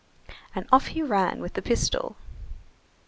And off he ran with the pistol.